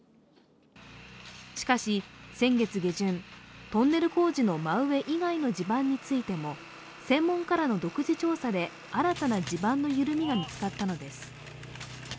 しかし、先月下旬、トンネル工事の真上以外の地盤についても専門家らの独自調査で新たな地盤の緩みが見つかったのです。